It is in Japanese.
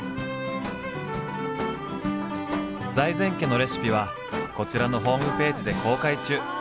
財前家のレシピはこちらのホームページで公開中。